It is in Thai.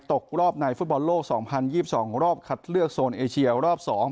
ตกรอบในฟุตบอลโลก๒๐๒๒รอบคัดเลือกโซนเอเชียรอบ๒